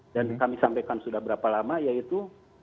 dan kami sampaikan sudah berapa lama yaitu